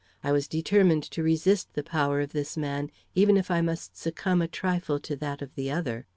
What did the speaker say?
I was determined to resist the power of this man, even if I must succumb a trifle to that of the other.